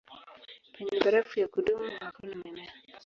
Penye barafu ya kudumu hakuna mimea.